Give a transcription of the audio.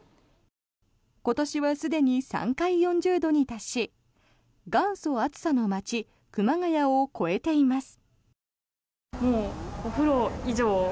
今年はすでに３回４０度に達し元祖暑さの街、熊谷を超えています。